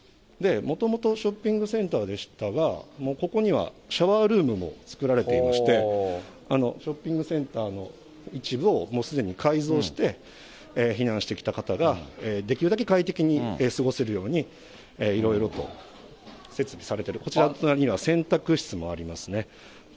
もともとショッピングセンターでしたが、ここにはシャワールームも作られていまして、ショッピングセンターの一部をもうすでに改造して、避難してきた方ができるだけ快適に過ごせるように、いろいろと設備されてる、こちら、隣には洗濯室もありますね。